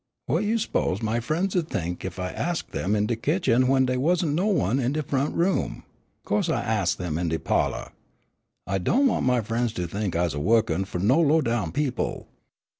What you s'pose my frien's 'u'd think ef I'd ax 'em in de kitchen w'en dey wasn't no one in de front room? Co'se I ax 'em in de pa'lor. I do' want my frien's to think I's wo'kin' fu' no low down people.